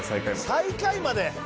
「最下位まで？」